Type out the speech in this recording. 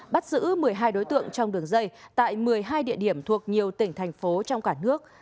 bắt giữ một mươi hai đối tượng trong đường dây tại một mươi hai địa điểm thuộc nhiều tỉnh thành phố trong cả nước